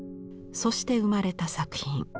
そして生まれた作品。